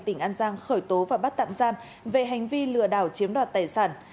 tỉnh an giang khởi tố và bắt tạm giam về hành vi lừa đảo chiếm đoạt tài sản